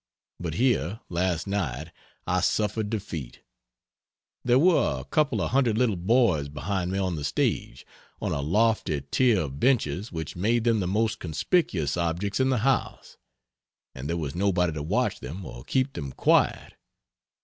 But here, last night, I suffered defeat There were a couple of hundred little boys behind me on the stage, on a lofty tier of benches which made them the most conspicuous objects in the house. And there was nobody to watch them or keep them quiet.